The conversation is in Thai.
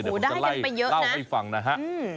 โอ้โฮได้กันไปเยอะนะจะไล่เล่าไปฟังนะฮะอืม